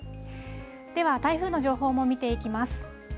では台風の情報も見ていきます。